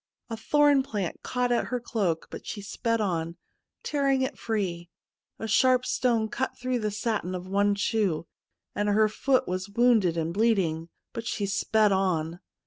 A thorn plant caught in her cloak, but she sped on, tearing it free ; a sharp stone cut through the satin of one shoe, and her foot was wounded and bleeding, but she sped on.